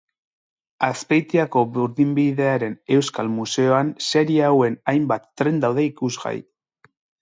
Azpeitiako Burdinbidearen Euskal Museoan serie hauen hainbat tren daude ikusgai.